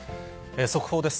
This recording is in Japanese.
速報です。